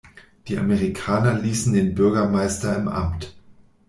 Die Amerikaner ließen den Bürgermeister im Amt.